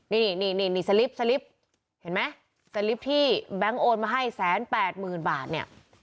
นี่หนิสลิปสลิปสลิปที่แบงค์โอนมันให้แสนแปดหมื่นบาทเนี่ย